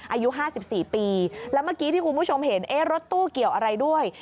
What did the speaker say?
อายุ๕๔ปีแล้วเมื่อกี้ที่คุณผู้ชมเห็นเอ๊ะรถตู้เกี่ยวอะไรด้วย